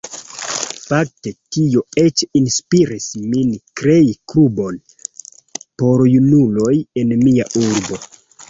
Fakte tio eĉ inspiris min krei klubon por junuloj en mia urbo.